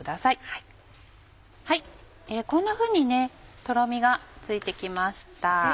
こんなふうにとろみがついて来ました。